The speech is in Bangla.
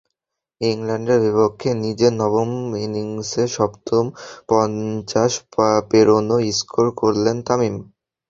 ইংল্যান্ডের বিপক্ষে নিজের নবম ইনিংসে সপ্তম পঞ্চাশ পেরোনো স্কোর করলেন তামিম।